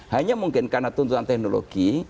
hanya mungkin karena tuntutan teknologi